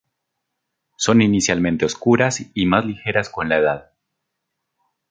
Son inicialmente oscuras y más ligeras con la edad.